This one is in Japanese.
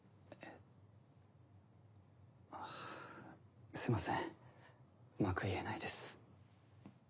あぁすいませんうまく言えないです。